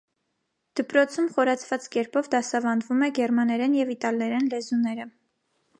Դպրոցում խորացված կերպով դասավանդվում է գերմաներեն և իտալերեն լեզուները։